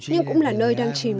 nhưng cũng là nơi đang chìm